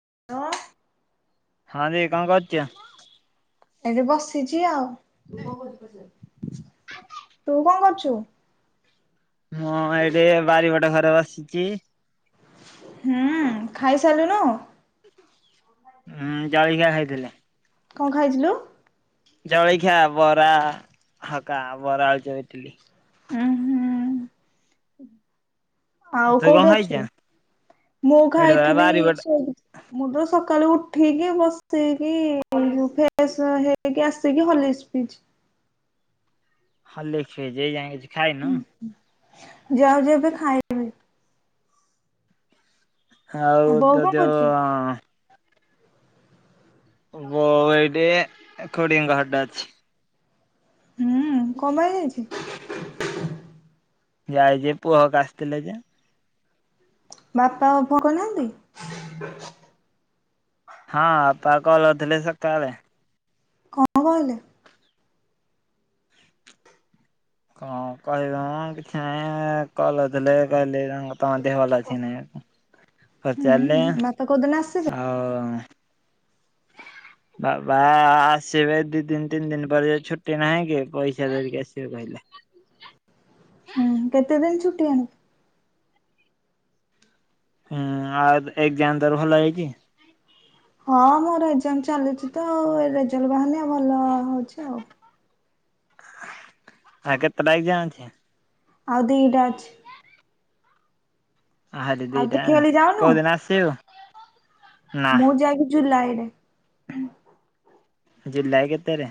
[unintelligible] ହଁ ଦେଇ କଣ କରୁଚ? ଏଇଠି ବସିଛି ଆଉ ତୁ କଣ କରୁଚୁ? ମୁଁ ଏଇଠି ବାରିପଟେ ଘରେ ବସିଛି। ହୁଁ ଖାଇସାରିଲୁନୁ? ହୁଁ ଜଳଖିଆ ଖାଇଥିଲି। କଣ ଖାଇଥିଲୁ? ଜଳଖିଆ ବରା ହକା ବରା ଆଳୁଚପ ଇଟିଲି। ହୁଁ ହୁଁ। ଆଉ ତୁ କଣ କୋଉଠି ଖାଇଛ? ଅଛୁ ମୁଁ ଏଠି ପରା ଖାଇଥିଲି ବାରିପଟେ ମୁ ତ ସ ସକାଳେ ଉଠିକି ବସିକି ଫ୍ରେସ୍ ହେଇକି ଆସିକି ହଲିକ୍ସ ପିଇଚି। ହଲିକ୍ସ ପିଇଛୁ ଏ ଯାଇଁ କିଛି ଖାଇନୁ। ଯାଉଚି ଏବେ ଖାଇବି। ଆଉ ବୋଉ ତ କଣ ଦେହ କରୁଛି? ବୋଉ ଏଇଠି ଖୁଡୀଙ୍କ ଘରେ ଅଛି। ହୁଁ କଣ ପାଇଁ ଯାଇଛି? ଯାଇଚି ଯେ ପୁଅ ହରିକା ଆସିଥିଲେ ଯେ ବାପା [unintelligible] ଭୋଗନାହାନ୍ତି। ହଁ ପା କଲ କରିଥିଲେ ସକାଳେ। କଣ କହିଲେ? କଣ କହିବେ ମଁ କିଛି ନାହିଁ କଲଥିଲେ କାଲି ତମ ଦେହ ଭଲ ଅଛି ନା ନାଇଁ ପଚାରିଲେ ହୁଁ ବାପା କୋଉଦିନ ଆସିବେ? ଆଉ ବାବା ଆସିବେ ଦି ଦିନ ତିନି ଦିନ ପରେ ଯୋଉ ଛୁଟି ନାହିଁ କି ପଇସା ଧରିକି ଆସିବେ କହିଲେ। ହୁଁ କେତେଦିନ ଛୁଠିଆଣି ହୁଁ ଆଉ ଏକଜାମ୍ ତୋ ଭଲ ହେଇଛି? ହଁ ମୋର ଏଗଜାମ ଚାଲିଛି ତ ଆଉ ରେଜଲ୍ଟ ବାହାରିନି ଭଲ ହଉଛି ଆଉ। ଆଉ କେତେଟା ଏକଜାମ୍ ଅଛି? ଆଉ ଦିଟା ଅଛି। ଆହୁରି ଆଉ ତୁ ଦିଟା ଖେଳି ଯାଉନୁ କୋଉଦିନ ଆସିବୁ ଆଉ? ମୁଁ ଯାଇକି ଜୁଲାଇ [inaudible] ଜୁଲାଇ କେତେରେ?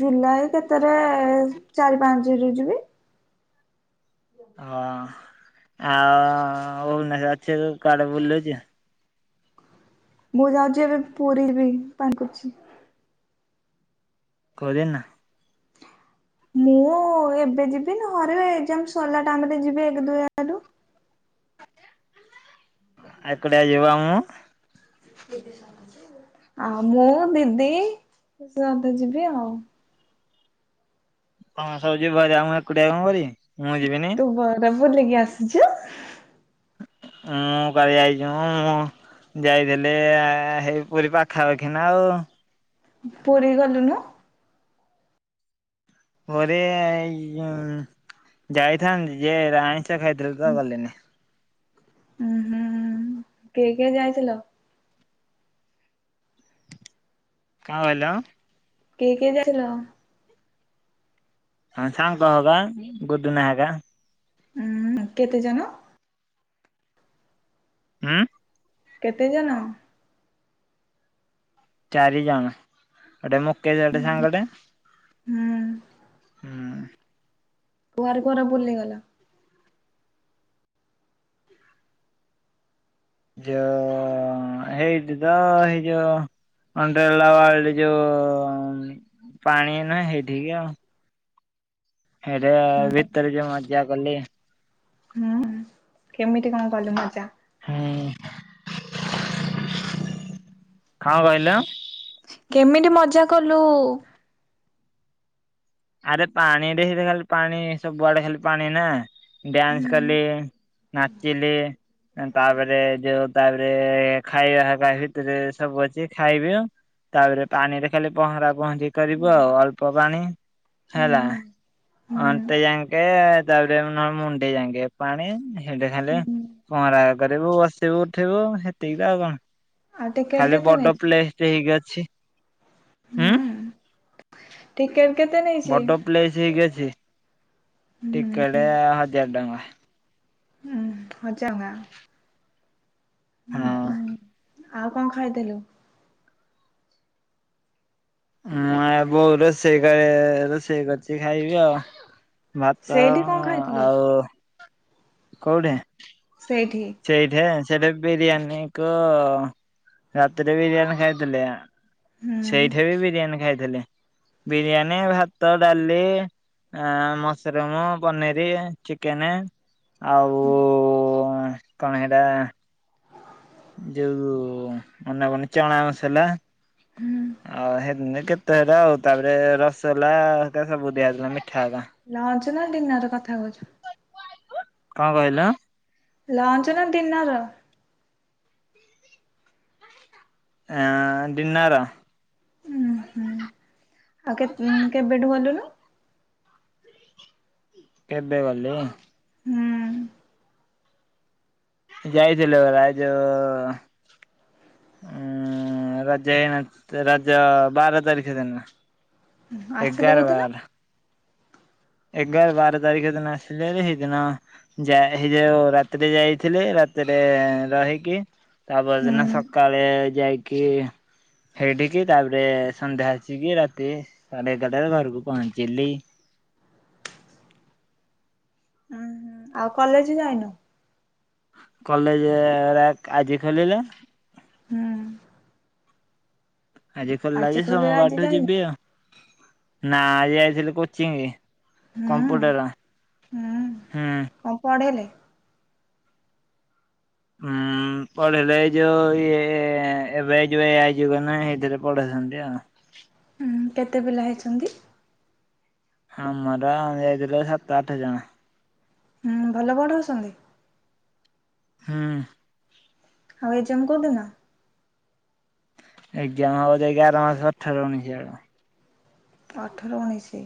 ଜୁଲାଇ କେତେରେ ଚାରି ପାଞ୍ଚରୁ ଯିବି ହଁ ଆଉ ଅଛ କୁଆଡ଼େ ବୁଲୁଚୁ? ମୁଁ ଯାଉଛି ଏବେ ପୁରୀ ବି ପ୍ଲାନ୍ କରୁଛି। କୋଉଦିନ? ମୁଁ ଏବେ ଯିବି ନ ହରେ ଏକଜାମ୍ ସରିଲା ଟାଇମ ରେ ଯିବି ଏକ ଦୁଇ ଆଡୁ ଏକୁଟିଆ ଯିବୁ ଆଉ ମୁଁ ଆଉ ମୁଁ ଦିଦି ସମସ୍ତେ ଯିବେ ଆଉ। ହଁ ସବୁ ଯିବ ହାରି ଆଉ ମୁଁ ଏକୁଟିଆ କଣ କରିବି? ମୁଁ ଯିବିନି? ତୁ ବରା ବୁଲିକି ଆସିଛୁ। ହୁଁ କାଲି ଯାଇଛି ମୁଁ ଯାଇଥିଲି ହେଇ ପୁରୀ ପାଖାପାଖି ନା ଆଉ। ପୁରୀ ଗଲୁନୁ? ପୁରୀ ଏଇ ଏ ଯାଇଥାନ୍ତି ଯେ ଆଁଇଷ ଖାଇଥିଲି ତ ଗଲିନି। ଉଁ ହୁଁ କିଏ କିଏ ଯାଇଥିଲ? କଣ କହିଲ? କିଏ କିଏ ଯାଇଥିଲ? ହଁ ସାଙ୍ଗ ହବା ଗୁଡୁନା ହେକା। ଉୁଁ କେତେ ଜଣ? ହୁଁ। କେତେ ଜଣ? ଚାରି ଜଣ। ଗୋଟେ ମୁକେଶ ଗୋଟେ ସାଙ୍ଗଟେ ହୁଁ। ହୁଁ କୁଆଡେ କୁଆଡେ ବୁଲିଗଲ? ଯୋଉ ହେଇଠି ତ ହେଇ ଯୋଉ ଅଣ୍ଡେଲାୱାଡରେ ଯୋଉ ପାଣି ନା ହେଇଠିକ୍ ଆଉ। ହେଇଠି ଭିତରେ ଯୋଉ ମଜା। ଗଲେ। ହୁଁ କେମିତି କଣ କଲୁ ମଜା? ହୁଁ [inaudible] କଣ କହିଲ? କେମିତି ମଜା କଲୁ? ଆରେ ପାଣିରେ ଖାଲି ପାଣି ସବୁଆଡେ ଖାଲି ପାଣି ନା ହୁଁ ଡ୍ୟାନ୍ସ କଲି, ନାଚିଲି, ତାପରେ ଯୋଉ ତାପରେ ଖାଇବା ହରିକା ଭିତରେ ସବୁ ଅଛି ଖାଇବି ତାପରେ ପାଣିରେ ଖାଲି ପହଁରା ପହଁରି କରିବ ଆଉ ଅଳ୍ପ ପାଣି। ହେଲା। ହୁଁ ହୁଁ ଅଣ୍ଟେ ଯାଙ୍କେ ତାପରେ ନହଲେ ମୁଣ୍ଡେ ଯାଙ୍କେ ପାଣି ସେଠ ଖାଲି ହୁଁ ପହଁରା କରିବୁ ବସିବୁ ଉଠିବୁ ସେତିକି ତ ଆଉ କଣ। ଆଉ ଟିକେଟ ଖାଲି କେତେ ବଡ ନେଇଛି ପ୍ଲେସ ଟିଏ ହେଇକି ଅଛି। ହୁଁ [inaudible] ଟିକେ ବଡ ପ୍ଲେସ ହେଇକି ଅଛି। ହୁଁ ଟିକେଟ୍ ହଜାର ଟଙ୍କା। ହଁ ହଜାର ଟଙ୍କା। ହଁ। ହୁଁ ହୁଁ ଆଉ କଣ ଖାଇଥିଲୁ? [inaudible] ହଁ ମୋ ବୋଉ ରୋଷେଇ କରେ ରୋଷେଇ କରିଛି ଖାଇବି ଆଉ। ଭାତ ସେଇଠି କଣ ଖାଇଥିଲୁ ଆଉ [inaudible] କୋଉଠି? ସେଇଠି ସେଇଠେଇ? ସେଟ [unintelligible] ବିରିୟାନୀକୁ ରାତିରେ ବିରିୟାନୀ ଖାଇଥିଲି। ହୁଁ ସେଇଠି ବି ବିରିୟାନୀ ଖାଇଥିଲେ? ବିରିୟାନୀ, ଭାତ, ଡାଲି, ମସରୁମ, ପନିର, ଚିକେନେ। ଆଉ କଣ ହେଇଟା? ଯୋଉ ମନା [unintelligible] ଚଣା ମସଲା। ହୁଁ ଆଉ [unintelligible] ହେଇିନ କେତ ଏତିକି ଆଉ, ତାପରେ ରସଗୋଲା ଏକା ସବୁ ଦିଆ ହେଇଥିଲା ମିଠା ହେକା। [unintelligible] ଲଞ୍ଚ ନା ଡିିନର କଥା କହୁଚୁ? କଣ କହିଲ? ଲାଞ୍ଚ ନା ଡିନର? [inaudible] ଆ ଡିନର। ହୁଁ ହୁଁ ଆଉ କେ କେବେଠୁ ଗଲୁଣୁ? କେବେ ଗଲି? ହୁଁ ଯାଇଥିଲି ରାଜ ଉ ରଜ ହେଇନ ରଜ ବାର ତାରିଖ ଦିନ। ଆସିଲୁ ଏଗାର କୋଉଦିନ? ବାର ଏଗାର ବାର ତାରିଖ ଦିନ ଆସିଲିଭାରି, ସେଇଦିନ ଯା ସେ ଯୋଉ ରାତିରେ ଯାଇଥିଲେ, ରାତିରେ ରହିକି ତା ପର ହୁଁ ଦିନ ସକାଳେ ଯାଇକି ସେଠିକି, ତାପରେ ସନ୍ଧ୍ୟା ଆସିକି ରାତି ସାଢେ ଏଗାରଟାରେ ଘରକୁ ପହଞ୍ଚିଲି। ହୁଁ ଆଉ କଲେଜ ଯାଇନ? [inaudible] କଲେଜରେ ଆଜି ଖୋଲିଲେ। ହୁଁ। ଆଜି ଖୋଲିଲା ଯେ ସୋମବାର ଠୁ ଯିବି ଆଉ। [inaudible] ନା ଆଜି ଯାଇଥିଲି କୋଚିଂ। ହୁଁ କମ୍ପ୍ୟୁଟର ହୁଁ। ହୁଁ। କଣ ପଢେଇଲେ ହୁଁ ପଢେଇଲେ ଏ ଯୋଉ ଇଏ ଏ ଆଇ ଯୁଗ ନା? ଏଇଥିରେ ପଢେଇଛନ୍ତି ଆଉ। ହୁଁ କେତେ ପିଲା ହେଇଛନ୍ତି? ଆମର ଯାଇଥିଲେ ସାତ ଆଠ ଜଣ। ହୁଁ ଭଲ ପଢ଼ଉଛନ୍ତି? ହୁଁ। ଆଉ ଏଗ୍ଜାମ୍ କୋଉଦିନ? ଏଗ୍ଜାମ୍ ହବ ଯାଇକି ଆର ମାସ ମାସ ଅଠର ଉଣେଇଶି ଆଡ଼େ ଅଠର ଉଣେଇଶି?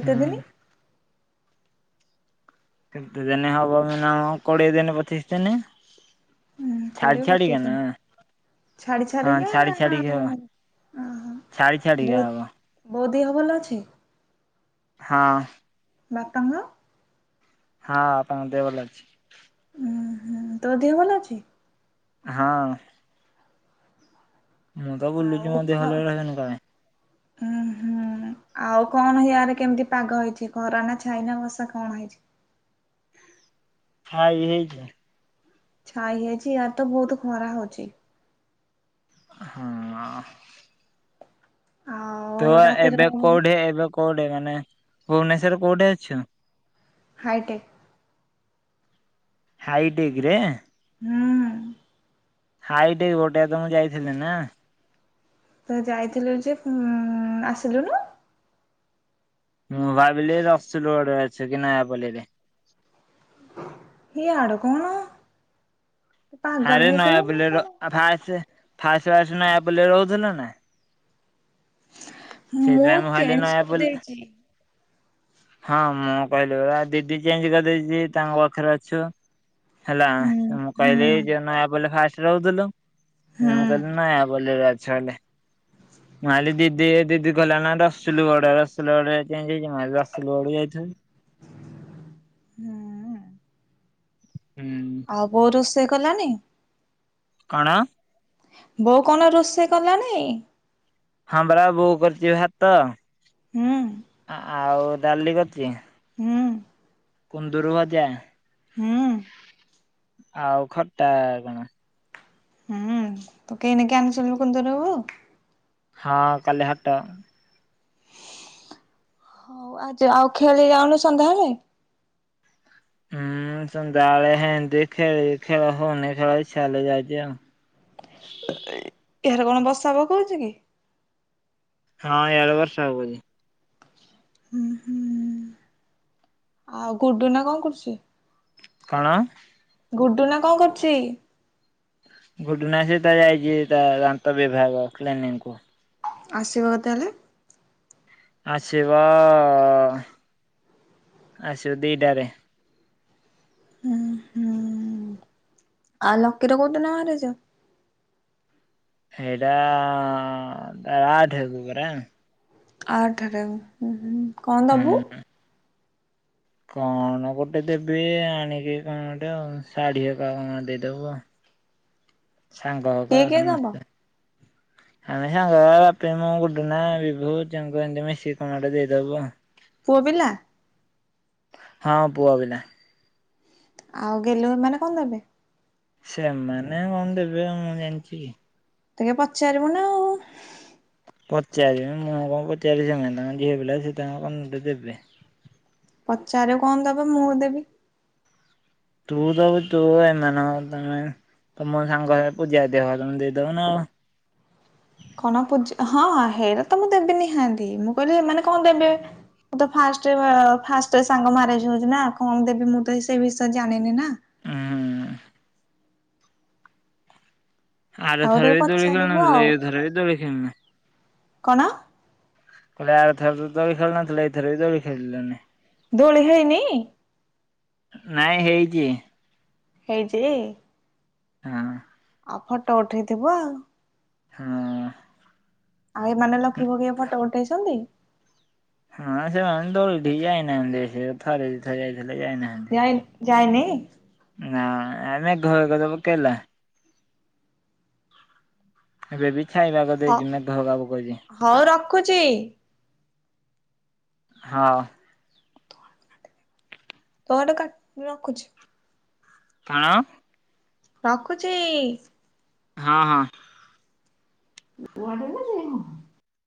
ହୁଁ। ଦିନି? କେତେ ଦିନି ହବ [unintelligible] କୋଡିଏ ଦିନି ପଚିଶ ଦିନି। ହୁଁ କୋଡିଏ ପଚିଶ ଦିନି ଛାଡି ହଁ ଛାଡିକି ଛାଡି ନା ଛାଡିକି ହବ ଓହୋ ଛାଡି ଛାଡିକା ବହୁତ ହବ। ବୋଉ ଦେହ ଭଲ ଅଛି? ହଁ। ବାପା ମା? ହଁ ବାପାଙ୍କ ଦେହ ଭଲ ଅଛି। ଉହୁଁ ତୋ ଦେହ ଭଲ ଅଛି? ହଁ। ମୁଁ ତ ବୁଲୁଛି ମୋ ଦେହ ଆଉ ଭଲ ରହିବନି କାଇଁ? ଉୁଁ ହୁଁ ଆଉ କଣ [unintelligible] ହିଆରେ କେମିତି ପାଗ ହେଇଛି ଖରା ନା ଛାଇନା ବର୍ଷା କଣ ହେଇଛି? ହଁ ଇଏ ହେଇଚି। ଛାଇ ହେଇଚି ୟାଡ଼୍ ତ ବହୁତ ଖରା ହଉଛି। ହଁ। ଆଉ ତୁ ରାତିରେ ଏବେ କୋଉଠି ଏବେ କୋଉଠି ମାନେ ଭୁବନେଶ୍ଵରରେ କୋଉଠି ଅଛୁ? ହାଇଟେକ୍। ହାଇ ଟେଗ୍ ରେ? ହୁଁ। ହାଇ ଟେଗ୍ ଗୋଟେ ତ ମୁଁ ଯାଇଥିଲି ନା? ତୁ ଯାଇଥିଲୁ ଯେ ଉଁ ଆସିଲୁ ନୁ। ମୁଁ ଭାବିଲି ରସୁଲଗଡ଼ ରେ ଅଛୁ କି ନୟାପଲ୍ଲୀ ରେ। ହେ ଆଡ କଣ? ପାଗଳ ଆରେ ହେଇଗଲୁ ନା ନୟାପଲିର କଣ ଭାସ ଫାସ୍ ଫାସ୍ ନୟାପଲ୍ଲୀ ରହୁଥିଲ ନା? ମୁଁ ସେଇଥିପାଇଁ ଭାବିଲି ଚେଞ୍ଜ୍ କରି ନୟାପଲ୍ଲୀ ଦେଇଚି। ହଁ ମୁଁ କହିଲିପରା ଦିଦି ଚେଞ୍ଜ୍ କରିଦେଇଚି ତାଙ୍କ ପାଖରେ ଅଛୁ। ହେଲା ହୁଁ ମୁଁ ହୁଁ କହିଲି ଯେଉ ନୟାପଲ୍ଲୀ ଫାଷ୍ ରହୁଥୁଲୁ। ହୁଁ ମୁଁ କହିଲି ନୟାପଲି ରେ ଚାଲେ ମୁ ଆଲି ଦିଦି ଦିଦି ଗଲା ନା ରସୁଲ ଗଡ ରସୁଲ ଗଡ ରେ ହେଇତି [inaudible] ଦୋଳି [unintelligible] ହୁଁ। ହୁଁ ଆଉ। [unintelligible] ସେ କଲାନି? କଣ? ବୋଉ କଣ ରୋଷେଇ କଲାଣିି? ହଁ ପରା ବୋଉ କରିଛି ଭାତ। ହୁଁ ଆଉ ଡାଲି କରିଛି। ହୁଁ। କୁନ୍ଦୁରୁ ଭଜା। ହୁଁ। ଆଉ ଖଟା କଣ? ହୁଁ ତୁ କିଣିକି ଆଣିଥିଲୁ କୁନ୍ଦୁରୁ? ହଁ କାଲି ହାଟ ହଉ ଆ ଆଉ ଖେଳି ଯାଉନୁ ସନ୍ଧ୍ୟାବେଳେ? ହୁଁ ସନ୍ଧ୍ୟା ବେଳେ ହେନ୍ତି ଖେଳି ଖେଳ ହନି ଇଚ୍ଛା ହେଲେ ଯାଉଛି ଆଉ। ସିଆଡେ କଣ ବର୍ଷା ପକାଉଛି କି? ହଁ ଏଆଡେ ବର୍ଷା ପକଉଚି‌। [unintelligible] ଆଉ ଗୁଡୁନା କଣ କରୁଛି? କଣ? ଗୁଡୁ ନା କଣ କରୁଛି? ଗୁଡୁନା ସେତ ତାର ଯାଇଛି ତା ଦାନ୍ତ ବିଭାଗ କ୍ଲିନିଂ କୁ। ଆସିବ କେତେ ବେଲେ? ଆସିବ ଆସିବ ଦିଟାରେ। ହୁଁ ହୁଁ ଆଉ ଲକି ର କୋଉ ଦିନ। [unintelligible] ହେଇଟା ଆ ଆଠ ଆଡ଼କୁ ପରା। ଆଠରେ ଉଁ ହୁଁ। କଣ ଦବୁ? ହୁଁ କଣ ଗୋଟେ ଦେବି ଆଣିକି କଣଟେ ଆଉ ଶାଢୀ ଏକା ଦେଇଦବୁ ଆ। ସାଙ୍ଗ ହେବା କିଏ କିଏ ଦବ? ସମସ୍ତେ। ଆମେ ସାଙ୍ଗ ବାପି, ମୁଁ, ଗୁଡୁନା, ବିଭୂ, ଚିଙ୍ଗୁ ଏମିତି ମିଶିକି କଣଟେ ଦେଇଦବୁ ଆ ପୁଅ ପିଲା। ହଁ ପୁଅ ପିଲା। ଆଉ ଗେଲୁ ଏମାନେ କଣ ଦେବେ? ସେମାନେ କଣ ଦେବେ ମୁଁ ଜାଣିଛିି କି? ଟିକେ ପଚାରିବୁ ନା ଆଉ। ପଚାରିବି ମୁଁ କଣ ପଚାରିବି ସେମାନେ ତାଙ୍କ ଝିଅ ପିଲା ସେ ତାଙ୍କ କଣ ଟେ ଦେବେ। ପଚାରିବୁ କଣ ଦବ ମୁଁ ଦେବି। ତୁ ଦବୁ ତୁ ଏମାନଙ୍କ ତମେ ତମ ସାଙ୍ଗ ସା ପୂଜା ଦିଅ ତମେ ଦେଇଦବନା ଆଉ। କଣ ପୂଜ ହଁ ହେଇରା ତ ମୁଁ ଦେବିିନିହାନ୍ତି ମୁଁ କହିଲି ଏମାନେ କଣ ଦେବେ ମୁଁ ତ ଫାଷ୍ଟ ଫାଷ୍ଟ ସାଙ୍ଗ ମାରେଜ ହଉଛି ନା କଣ ଦେବି ମୁଁ ତ ସେ ବିଷୟ ଜାଣିନି ନା। ଉଁ ହୁଁ ଆର ଆଉ ଥର ଟିକେ ବି ଦୋଳି ଖେଳ ପଚାରିବୁ ନଥିଲେ ଆଉ ଏଇଥର ବି ଦୋଳି। [unintelligible] କଣ? କହିଲି ଆର ଥର ତ ଦୋଳି ଖେଳିନଥିଲୁ ଏଥର ବି ଦୋଳି ଖେଳିଲୁନି। ଦୋଳି ହେଇନି? ନାଇଁ ହେଇଛି। ହେଇଛି? ହଁ। ଆଉ ଫଟ ଉଠେଇଥିବ ଆଉ। ହଁ। ଆଉ ଏମାନେ ଲ [inaudible] ଫଟ ଉଠେଇଛନ୍ତି? ହଁ ସେମାନେ ଦୋଳି ଠିକି ଜାଇ ନାହାନ୍ତି ସେ। ଥରେ ଦିଥର ଯାଇଥିଲେ ଯାଇ ନାହାନ୍ତି। ଯାଇ ଯାଇନି? ନା ଆମେ ଘର କେଲା [inaudible] ଏବେ ବି ଛାଇବାକୁ ହ ଦେଇଛି ମ ଘର କାମ କରଛି। ହଉ ରଖୁଛି ହଁ। ତୋଆଡୁ କାଟ ମୁଁ ରଖୁଛି। ତଣ ରଖୁଛି। ହଁ ହଁ। [inaudible]